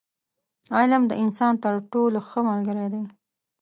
• علم، د انسان تر ټولو ښه ملګری دی.